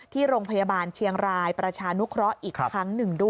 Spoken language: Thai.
ที่โรงพยาบาลเชียงรายประชานุเคราะห์อีกครั้งหนึ่งด้วย